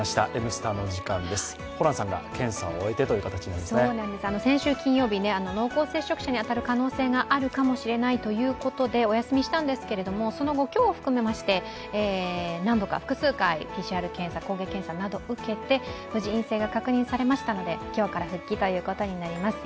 そうなんです、先週金曜日、濃厚接触者に当たる可能性があるかもしれないということでお休みしたんですけれどもその後、今日を含めまして複数回、ＰＣＲ検査、抗原検査などを受けて、無事、陰性が確認されましたので今日から復帰になります。